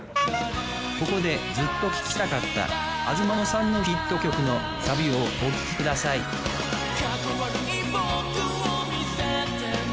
ここでずっと聴きたかった東野さんのヒット曲のサビをお聴きください「カッコ悪い僕を見せても」